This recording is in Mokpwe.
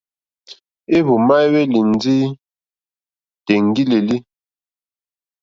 Éhwùmá éhwélì ndí tèŋɡí!lélí.